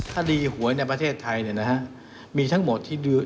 คดีหวยในประเทศไทยมีทั้งหมดที่ดู